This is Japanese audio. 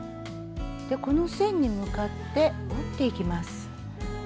この線に向かって折っていきます。